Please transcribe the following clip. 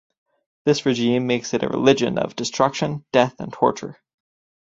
This regime makes it a religion of destruction, death, and torture.